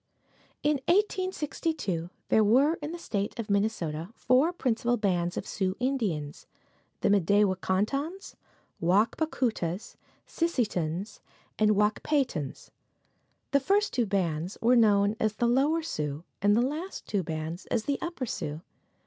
In 1862 there were in the State of Minnesota four principal bands of Sioux Indians the M'day wa kon tons, Wak pa koo tas, Si si tons and Wak pay tons. The first two bands were known as the Lower Sioux and the last two bands as the Upper Sioux.